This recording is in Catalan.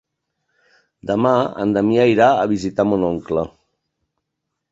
Demà en Damià irà a visitar mon oncle.